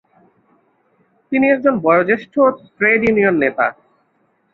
তিনি একজন বয়োজ্যেষ্ঠ ট্রেড ইউনিয়ন নেতা।